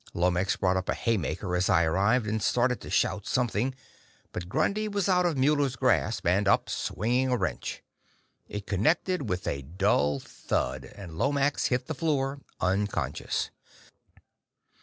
Lomax brought up a haymaker as I arrived, and started to shout something. But Grundy was out of Muller's grasp, and up, swinging a wrench. It connected with a dull thud, and Lomax hit the floor, unconscious.